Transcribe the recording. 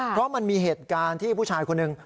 เพราะมันมีเหตุการณ์ที่ผู้ชายคนหนึ่ง